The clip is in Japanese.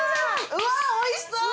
うわおいしそう！